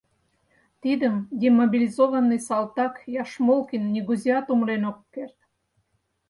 Тидым демобилизованный салтак Яшмолкин нигузеат умылен ок керт.